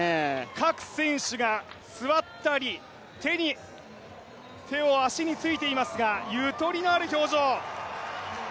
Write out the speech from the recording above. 各選手が座ったり手を足についていますがゆとりのある表情。